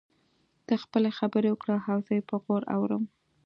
ته خپلې خبرې وکړه او زه يې په غور اورم.